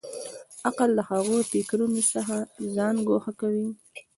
عقل د هغو فکرونو څخه ځان ګوښه کوي.